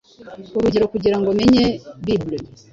Urugero, kugirango menye bible,